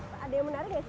ada yang menarik ya